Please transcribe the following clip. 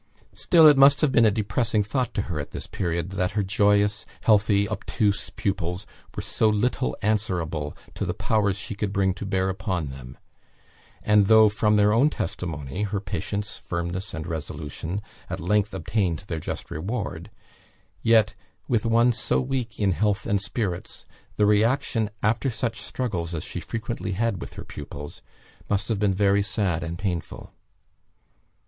Still it must have been a depressing thought to her at this period, that her joyous, healthy, obtuse pupils were so little answerable to the powers she could bring to bear upon them; and though from their own testimony, her patience, firmness, and resolution, at length obtained their just reward, yet with one so weak in health and spirits, the reaction after such struggles as she frequently had with her pupils, must have been very sad and painful.